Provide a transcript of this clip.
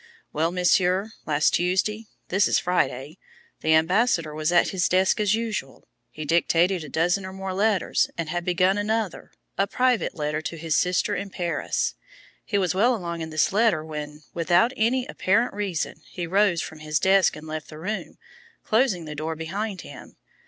"Well, Monsieur, last Tuesday this is Friday the ambassador was at his desk as usual. He dictated a dozen or more letters, and had begun another a private letter to his sister in Paris. He was well along in this letter when, without any apparent reason, he rose from his desk and left the room, closing the door behind him.